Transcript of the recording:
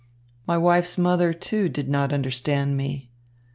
My wife's mother, too, did not understand me.